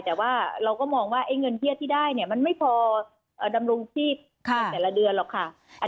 แต่ว่าเราก็มองว่าเงินเบี้ยที่ได้เนี่ยมันไม่พอดำรงชีพในแต่ละเดือนหรอกค่ะ